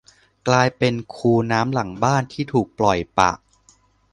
กลายเป็นคูน้ำหลังบ้านที่ถูกปล่อยปะ